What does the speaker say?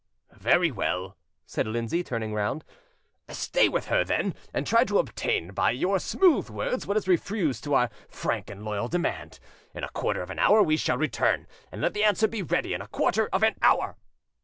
"Very well," said Lindsay, turning round, "stay with her, then, and try to obtain by your smooth words what is refused to our frank and loyal demand. In a quarter of an hour we shall return: let the answer be ready in a quarter of an hour!"